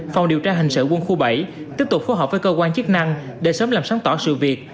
phòng điều tra hình sự quân khu bảy tiếp tục phối hợp với cơ quan chức năng để sớm làm sáng tỏ sự việc